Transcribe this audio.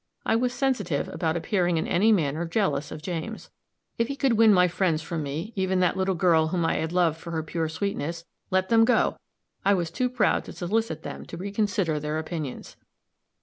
I was sensitive about appearing in any manner jealous of James; if he could win my friends from me, even that little girl whom I had loved for her pure sweetness, let them go! I was too proud to solicit them to reconsider their opinions.